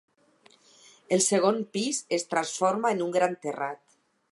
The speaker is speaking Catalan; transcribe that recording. El segon pis es transforma en un gran terrat.